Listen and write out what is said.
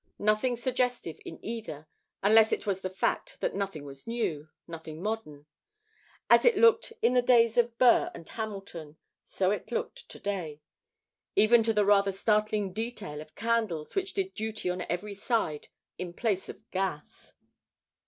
Nothing suggestive in either, unless it was the fact that nothing was new, nothing modern. As it looked in the days of Burr and Hamilton so it looked to day, even to the rather startling detail of candles which did duty on every side in place of gas.